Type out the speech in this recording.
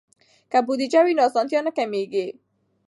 که بودیجه وي نو اسانتیا نه کمېږي.